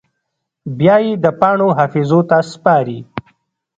بیا یې د پاڼو حافظو ته سپاري